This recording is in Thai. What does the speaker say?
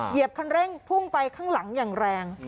เหยียบคันเร่งพุ่งไปข้างหลังอย่างแรง